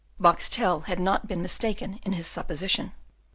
Boxtel had not been mistaken in his supposition.